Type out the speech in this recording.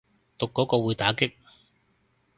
讀嗰個會打棘